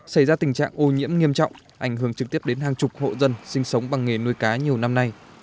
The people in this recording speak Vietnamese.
xảy ra tình trạng ô nhiễm nghiêm trọng ảnh hưởng trực tiếp đến hàng chục hộ dân sinh sống bằng nghề nuôi cá nhiều năm nay